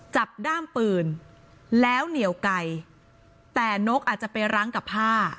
ด้ามปืนแล้วเหนียวไกลแต่นกอาจจะไปรั้งกับผ้า